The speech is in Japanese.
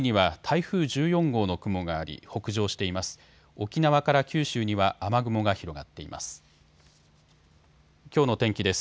沖縄から九州には雨雲が広がっています。